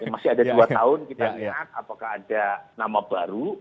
masih ada dua tahun kita lihat apakah ada nama baru